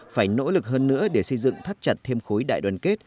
phải nỗ lực hơn nữa để xây dựng thắt chặt thêm khối đại đoàn kết